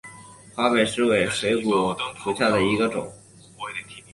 华北石韦为水龙骨科石韦属下的一个种。